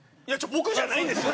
僕じゃないんですよ！